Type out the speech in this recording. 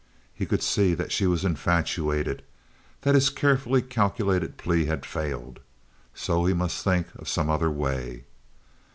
He could see that she was infatuated—that his carefully calculated plea had failed. So he must think of some other way.